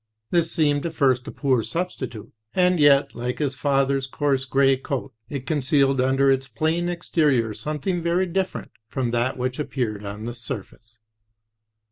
This seemed at first a poor substitute; and yet, like his father's coarse gray coat, it concealed under its plain exterior something very different from that which appeared on the surface.